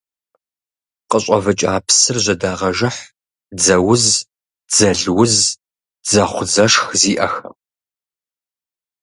Къыщӏэвыкӏа псыр жьэдагъэжыхь дзэуз, дзэлуз, дзэхъу-дзэшх зиӏэхэм.